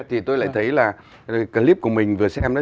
thì tôi lại thấy là clip của mình vừa xem đấy